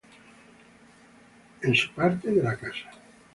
En su parte de la casa.